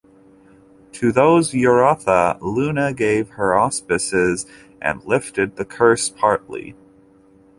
To those Uratha, Luna gave her Auspices and lifted the curse partly.